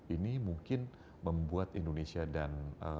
ini mungkin membuat indonesia dan